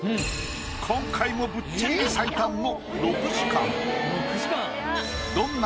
今回もぶっちぎり最短の。